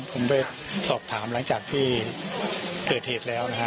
ผมไปสอบถามหลังจากที่เกิดเหตุแล้วนะฮะ